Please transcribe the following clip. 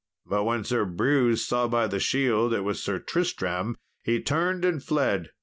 But when Sir Brewse saw by the shield it was Sir Tristram, he turned and fled.